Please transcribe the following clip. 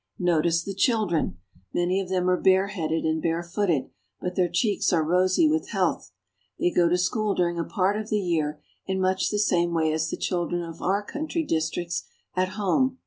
Notice the children! Many of them are bareheaded and barefooted, but their cheeks are rosy with health. They go to school during a part of the year in much the same way as the children of our country districts at home.